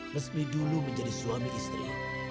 meski dulu menjadi suami istri